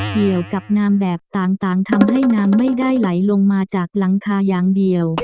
เกี่ยวกับนามแบบต่างทำให้น้ำไม่ได้ไหลลงมาจากหลังคาอย่างเดียว